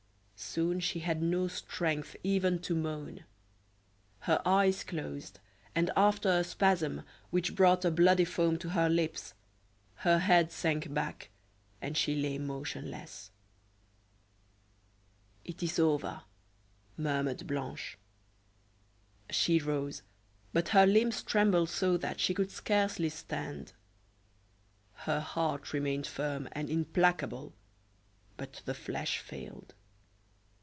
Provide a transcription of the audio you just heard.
Soon she had not strength even to moan; her eyes closed, and after a spasm which brought a bloody foam to her lips, her head sank back, and she lay motionless. "It is over," murmured Blanche. She rose, but her limbs trembled so that she could scarcely stand. Her heart remained firm and implacable; but the flesh failed.